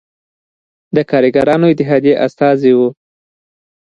د کارګرانو اتحادیې استازی و.